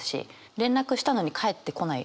連絡したのに返ってこない。